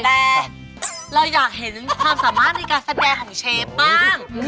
แต่เราอยากเห็นความสามารถในการแสดงของเชฟบ้าง